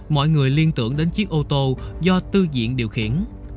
mọi người liên tưởng đến chiếc ô tô do tư diện điều khiển